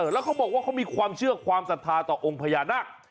แล้วเขาบอกว่าเขามีความเชื่อความศรัทธาต่อองค์พญานาค